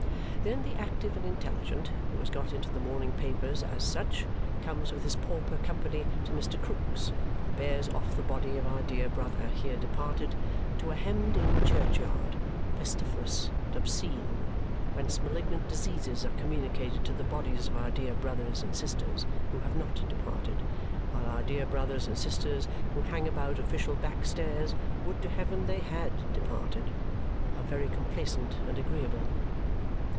Then the active and intelligent, who has got into the morning papers as such, comes with his pauper company to Mr. Krook's and bears off the body of our dear brother here departed to a hemmed in churchyard, pestiferous and obscene, whence malignant diseases are communicated to the bodies of our dear brothers and sisters who have not departed, while our dear brothers and sisters who hang about official back stairs would to heaven they HAD departed! are very complacent and agreeable.